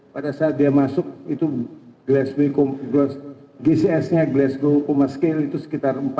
pada saat dia masuk itu gcsnya glasgow coma scale itu sekitar empat